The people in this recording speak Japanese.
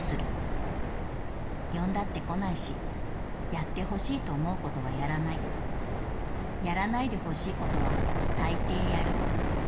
呼んだって来ないしやってほしいと思うことはやらないやらないでほしいことは大抵やる。